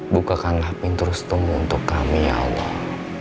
bukakan lapin terus temu untuk kami ya allah